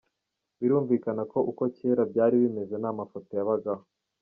Birumvikana ko uko cyera byari bimeze nta mafoto yabagaho.